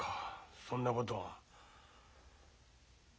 そんなことが。